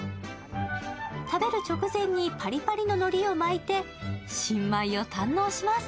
食べる直前にぱりぱりののりを巻いて新米を堪能します。